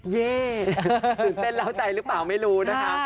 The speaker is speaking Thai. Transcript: เย่ตื่นเต้นแล้วใจหรือเปล่าไม่รู้นะคะ